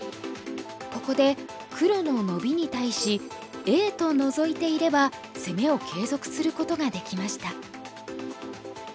ここで黒のノビに対しＡとノゾいていれば攻めを継続することができました。